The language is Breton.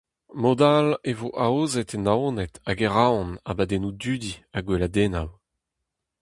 Mod-all e vo aozet e Naoned hag e Roazhon abadennoù dudi ha gweladennoù.